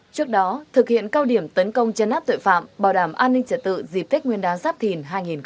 trước đó thực hiện cao điểm tấn công chân nát tội phạm bảo đảm an ninh trẻ tự dịp thích nguyên đáng giáp thìn hai nghìn hai mươi bốn